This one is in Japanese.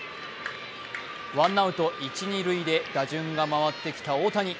ワンアウト一・二塁で打順が回ってきた大谷。